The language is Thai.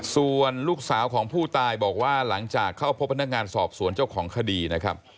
ส่วนลูกสาวของผู้ตายบอกว่าหลังจากเข้าพบพนักงานสอบสวนเจ้าของคดีนะครับ